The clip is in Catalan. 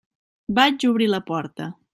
Vaig obrir la porta.